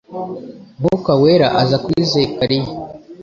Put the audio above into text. Mwuka Wera aza kuri Zakariya,